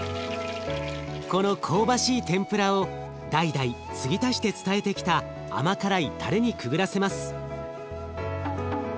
この香ばしい天ぷらを代々継ぎ足して伝えてきた甘辛いたれにくぐらせます。